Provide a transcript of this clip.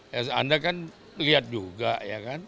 ya anda kan lihat juga ya kan